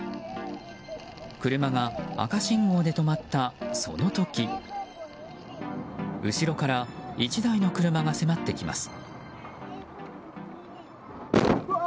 車が赤信号で止まったその時後ろから１台の車が迫ってきます。